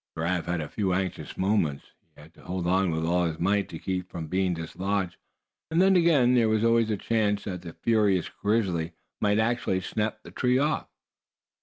Giraffe had a few anxious minutes. He had to hold on with all his might to keep from being dislodged. And then again, there was always a chance that the furious grizzly might actually snap the tree off.